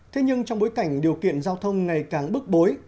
thế nhưng trong bối cảnh điều kiện giao thông ngày càng bức bối